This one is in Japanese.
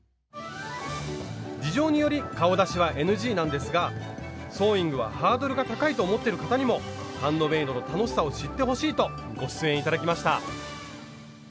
事情により顔出しはＮＧなんですがソーイングはハードルが高いと思ってる方にもハンドメイドの楽しさを知ってほしいとご出演頂きました。